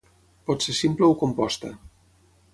Pot ser simple o composta.